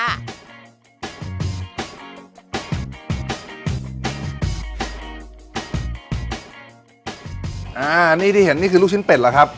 อันนี้ที่เห็นนี่คือลูกชิ้นเป็ดเหรอครับ